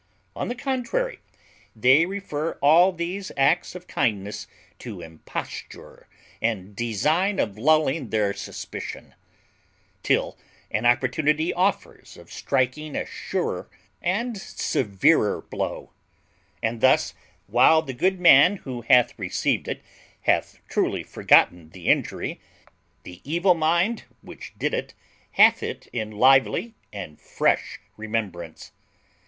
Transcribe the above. On the contrary, they refer all these acts of kindness to imposture and design of lulling their suspicion, till an opportunity offers of striking a surer and severer blow; and thus, while the good man who hath received it hath truly forgotten the injury, the evil mind which did it hath it in lively and fresh remembrance.